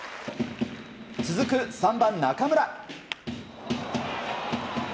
続く３番、中村。